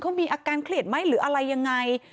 เขามีอาการเครียดไหมหรืออะไรยังไง